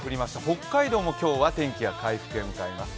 北海道も今日は天気が回復へ向かいます。